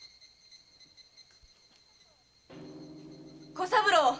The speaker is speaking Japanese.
小三郎！